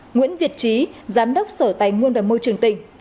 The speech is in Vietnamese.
nguyễn việt trí giám đốc sở tài nguyên và môi trường tỉnh